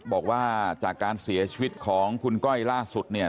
บอกว่าจากการเสียชีวิตของคุณก้อยล่าสุดเนี่ย